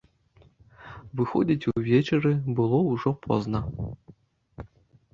Выходзіць увечары было ўжо позна.